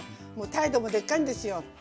態度もでっかいんですよ。